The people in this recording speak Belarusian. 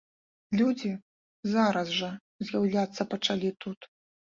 Людзі зараз жа з'яўляцца пачалі тут.